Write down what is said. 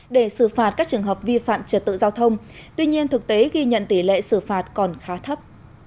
để xử phạt các trường hợp vi phạm trật tự giao thông tuy nhiên thực tế ghi nhận tỷ lệ xử phạt còn khá thấp